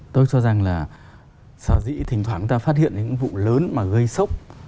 tôi cho rằng là sở dĩ thỉnh thoảng chúng ta phát hiện những vụ lớn mà gây sốc